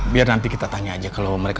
biar nanti kita tanya aja kalau mereka